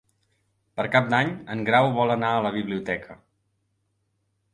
Per Cap d'Any en Grau vol anar a la biblioteca.